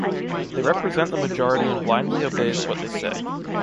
They represent the majority and blindly obeys what they say.